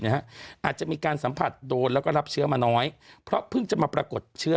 อาจจะมีการสัมผัสโดนแล้วก็รับเชื้อมาน้อยเพราะเพิ่งจะมาปรากฏเชื้อ